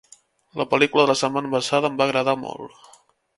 La pel·lícula de la setmana passada em va agradat molt.